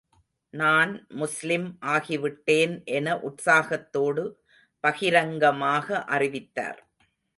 நான் முஸ்லிம் ஆகிவிட்டேன் என உற்சாகத்தோடு பகிரங்கமாக அறிவித்தார்.